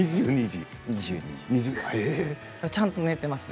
ちゃんと寝ています。